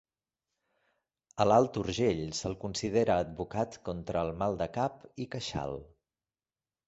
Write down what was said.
A l'Alt Urgell se'l considera advocat contra el mal de cap i queixal.